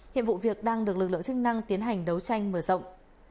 hiện vụ việc đang được lực lượng chức năng tiến hành đấu tranh mở rộng